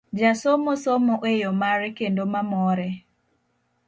Jasomo somo e yo mare kendo ma more.